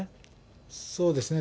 そうですね。